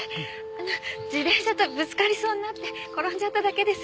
あの自転車とぶつかりそうになって転んじゃっただけです。